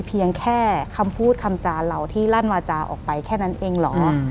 เพียงแค่คำพูดคำจานเราที่ลั่นวาจาออกไปแค่นั้นเองเหรอ